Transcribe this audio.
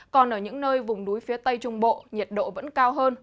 còn ở những nơi vùng núi phía tây trung bộ nhiệt độ vẫn cao hơn